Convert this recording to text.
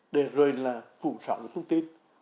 để rồi phụ trọng những thông tin